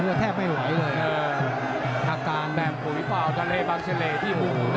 เพราะแทบไม่ไหวเลยเออทางกลางแบบหุ่ยเปล่าทะเลบังเชลยที่มุม